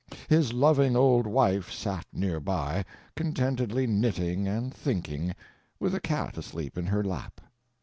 His loving old wife sat near by, contentedly knitting and thinking, with a cat asleep in her lap.